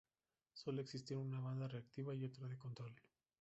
Suele existir una banda reactiva y otra de control.